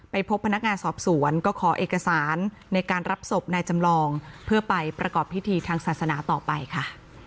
พบพนักงานสอบสวนก็ขอเอกสารในการรับศพนายจำลองเพื่อไปประกอบพิธีทางศาสนาต่อไปค่ะ